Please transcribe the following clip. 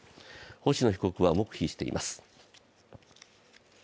星野被告は黙秘しています。